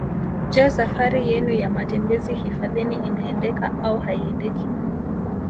Je safari yenu ya matembezi hifadhini inaendeka au haiendeki